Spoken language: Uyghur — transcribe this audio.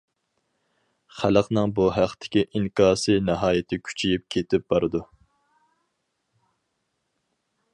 خەلقنىڭ بۇ ھەقتىكى ئىنكاسى ناھايىتى كۈچىيىپ كېتىپ بارىدۇ.